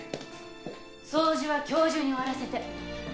掃除は今日中に終わらせて。